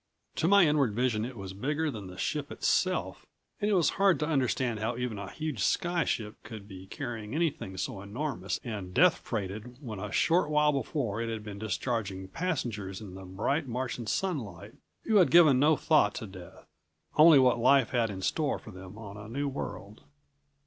To my inward vision it was bigger than the ship itself and it was hard to understand how even a huge sky ship could be carrying anything so enormous and death freighted when a short while before it had been discharging passengers in the bright Martian sunlight who had given no thought to Death ... only what life had in store for them on a new world.